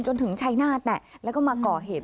จนถึงชายนาฏแน่แล้วก็มาก่อเหตุ